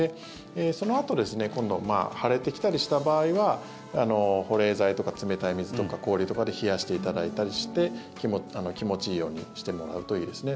そのあと腫れてきたりした場合は保冷剤とか冷たい水とか、氷とかで冷やしていただいたりして気持ちいようにしてもらうといいですね。